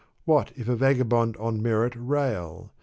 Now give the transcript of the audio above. What if a vagabond on merit rail?